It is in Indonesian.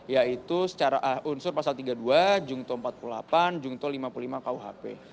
yaitu secara unsur pasal tiga puluh dua jungto empat puluh delapan jungto lima puluh lima kuhp